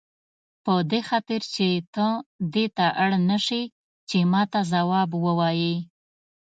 په دې خاطر چې ته دې ته اړ نه شې چې ماته ځواب ووایې.